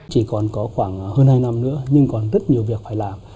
chỉ còn có khoảng hơn hai năm nữa nhưng còn rất nhiều việc phải làm